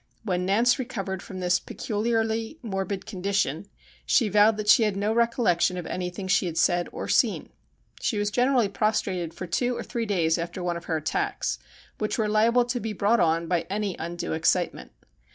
When Nance recovered from this peculiarly morbid condition she vowed that she had no recollection of anything she had said or seen. She was generally prostrated for two or three days after one of her attacks, which were liable to be brought on by any undue excitement.